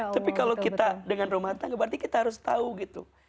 tapi kalau kita dengan rumah tangga berarti kita harus tahu gitu